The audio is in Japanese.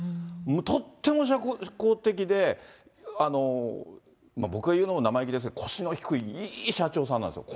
とっても社交的で、僕が言うのも生意気ですが、腰の低い、いい社長さんなんですよ。